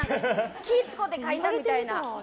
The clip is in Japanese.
気を使うて書いたみたいな。